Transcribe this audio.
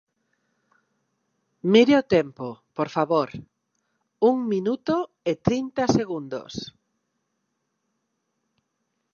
Mire o tempo, por favor, un minuto e trinta segundos.